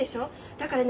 だからね